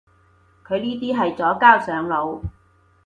佢呢啲係左膠上腦